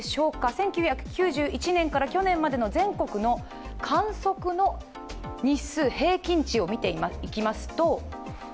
１９９１年から去年までの全国の観測の日数、平均値を見ていきます。